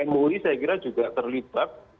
mui saya kira juga terlibat